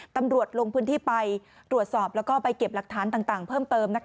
ตำรวจลงพื้นที่ไปตรวจสอบแล้วก็ไปเก็บหลักฐานต่างเพิ่มเติม